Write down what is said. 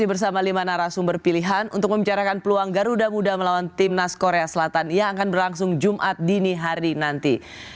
bersama lima narasumber pilihan untuk membicarakan peluang garuda muda melawan timnas korea selatan yang akan berlangsung jumat dini hari nanti